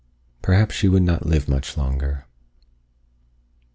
Perhaps she would not live much longer.